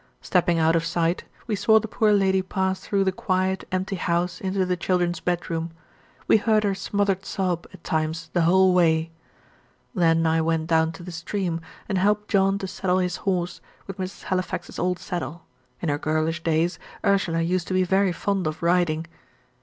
Stepping out of sight, we saw the poor lady pass through the quiet, empty house into the children's bed room. We heard her smothered sob, at times, the whole way. Then I went down to the stream, and helped John to saddle his horse, with Mrs. Halifax's old saddle in her girlish days, Ursula used to be very fond of riding.